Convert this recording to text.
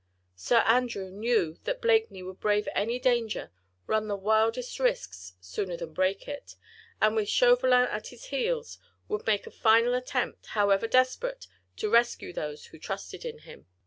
Sir Andrew knew that Blakeney would brave any danger, run the wildest risks sooner than break it, and, with Chauvelin at his very heels, would make a final attempt, however desperate, to rescue those who trusted in him.